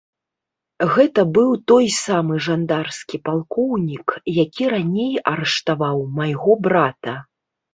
Гэта быў той самы жандарскі палкоўнік, які раней арыштаваў майго брата.